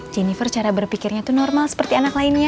jennifer cara berpikirnya itu normal seperti anak lainnya